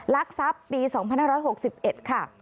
ลักทรัพย์ปี๒๕๖๑ค่ะ